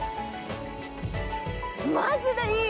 「マジでいい！